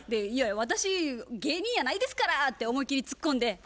「いやいや私芸人やないですから！」って思いっきりツッコんで。